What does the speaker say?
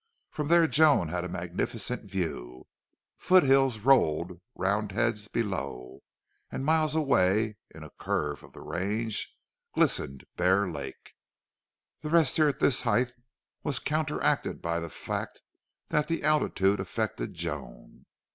From there Joan had a magnificent view. Foot hills rolled round heads below, and miles away, in a curve of the range, glistened Bear Lake. The rest here at this height was counteracted by the fact that the altitude affected Joan.